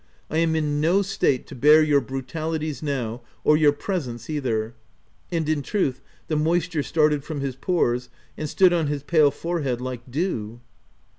I am in no state to bear your brutalities now, or your presence either/' And in truth the moisture started from his pores and stood on his pale forehead like dew.